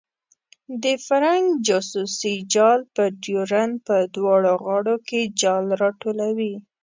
د فرنګ جاسوسي جال په ډیورنډ په دواړو غاړو کې جال راټولوي.